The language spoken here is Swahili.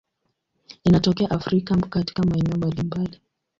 Inatokea Afrika katika maeneo mbalimbali.